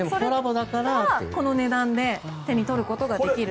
だからこの値段で手に取ることができると。